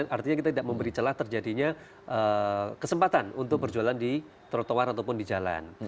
artinya kita tidak memberi celah terjadinya kesempatan untuk berjualan di trotoar ataupun di jalan